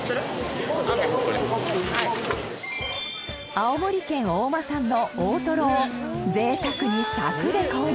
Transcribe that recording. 青森県大間産の大トロを贅沢に柵で購入